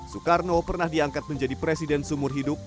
soekarno pernah diangkat menjadi presiden sumur hidup